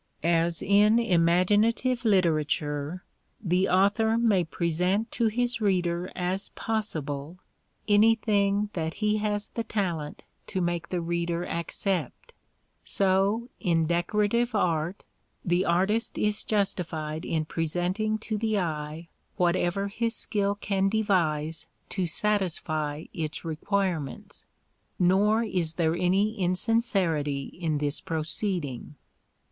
As in imaginative literature the author may present to his reader as possible anything that he has the talent to make the reader accept, so in decorative art the artist is justified in presenting to the eye whatever his skill can devise to satisfy its requirements; nor is there any insincerity in this proceeding.